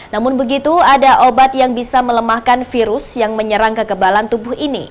namun begitu ada obat yang bisa melemahkan virus yang menyerang kekebalan tubuh ini